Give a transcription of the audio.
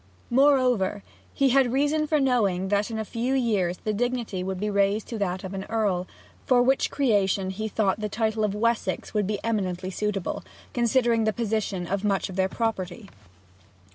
Moreover, he had reason for knowing that in a few years the dignity would be raised to that of an Earl, for which creation he thought the title of Wessex would be eminently suitable, considering the position of much of their property.